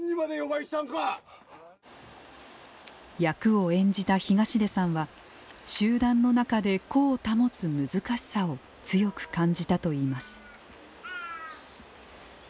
役を演じた東出さんは集団の中で個を保つ難しさを強く感じたといいます。